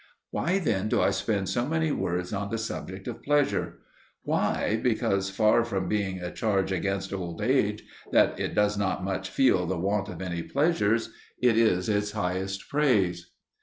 Why then do I spend so many words on the subject of pleasure? Why, because, far from being a charge against old age, that it does not much feel the want of any pleasures, it is its highest praise.